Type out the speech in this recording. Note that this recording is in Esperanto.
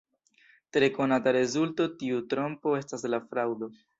Tre konata rezulto de tiu trompo estas la fraŭdo.